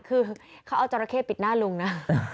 คือเขาเอาจราเข้ปิดหน้าลุงนะ